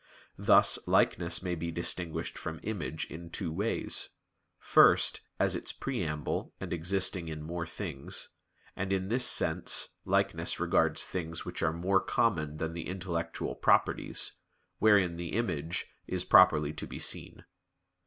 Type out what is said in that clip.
Thus likeness may be distinguished from image in two ways: first as its preamble and existing in more things, and in this sense likeness regards things which are more common than the intellectual properties, wherein the image is properly to be seen.